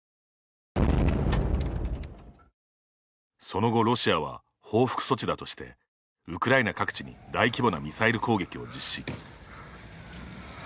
その後、ロシアは報復措置だとしてウクライナ各地に大規模なミサイル攻撃を実施。